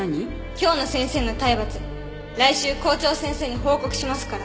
今日の先生の体罰来週校長先生に報告しますから。